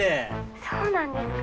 そうなんですか？